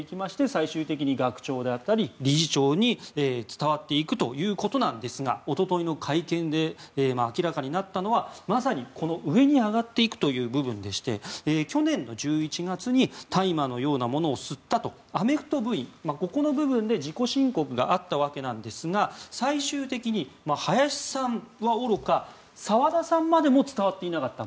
最終的に学長であったり理事長に伝わっていくということなんですが一昨日の会見で明らかになったのはまさに上に上がっていくという部分で、去年の１１月に大麻のようなものを吸ったとアメフト部員ここの部分で自己申告があったんですが最終的に林さんはおろか澤田さんまでも伝わっていなかった。